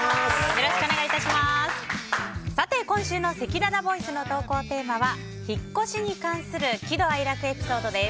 今週のせきららボイスの投稿テーマは引っ越しに関する喜怒哀楽エピソードです。